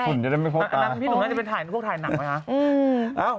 อันนั้นพี่หนุ่มน่าจะเป็นพวกถ่ายหนังไว้ค่ะ